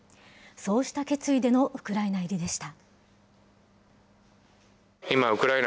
そうした決意でのウクライナ入りでした。